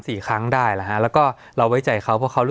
สวัสดีครับทุกผู้ชม